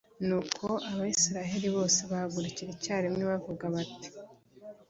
nuko abayisraheli bose bahagurukira icyarimwe, bavuga bati